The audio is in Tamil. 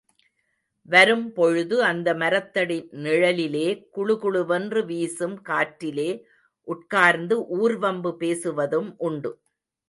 வரும்பொழுது அந்த மரத்தடி நிழலிலே குளு குளுவென்று வீசும் காற்றிலே உட்கார்ந்து ஊர்வம்பு பேசுவதும் உண்டு.